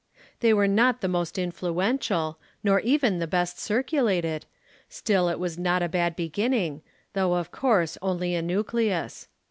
They were not the most influential, nor even the best circulated, still it was not a bad beginning, though of course only a nucleus.